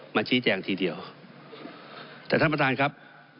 มาชี้แจงทีเดียวแต่ท่านประธานครับ